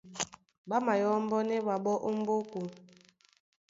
Ɓá mayɔ́mbɔ́nɛ́ ɓaɓɔ́ ó m̀ɓóko.